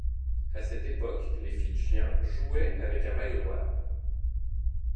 À cette époque les fidjiens jouaient avec un maillot noir.